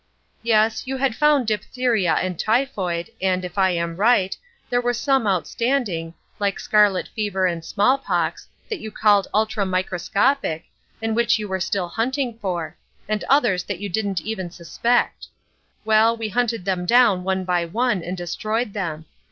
"Yes, you had found diphtheria and typhoid and, if I am right, there were some outstanding, like scarlet fever and smallpox, that you called ultra microscopic, and which you were still hunting for, and others that you didn't even suspect. Well, we hunted them down one by one and destroyed them.